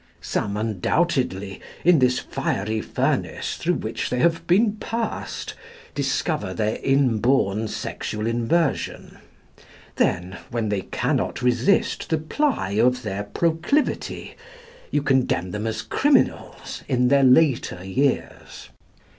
Some undoubtedly, in this fiery furnace through which they have been passed, discover their inborn sexual inversion. Then, when they cannot resist the ply of their proclivity, you condemn them as criminals in their later years.